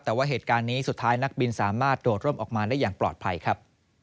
แต่ว่าเหตุการณ์นี้สุดท้ายนักบินสามารถโดดร่มออกมาได้อย่างปลอดภัยครับ